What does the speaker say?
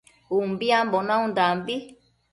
Umbiambo naundambi